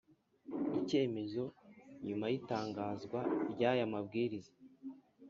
icyemezo nyuma y’itangazwa ry’aya mabwiriza